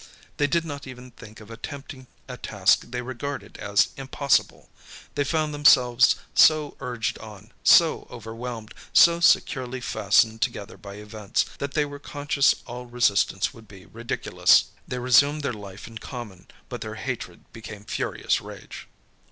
They did not even think of attempting a task they regarded as impossible. They found themselves so urged on, so overwhelmed, so securely fastened together by events, that they were conscious all resistance would be ridiculous. They resumed their life in common, but their hatred became furious rage.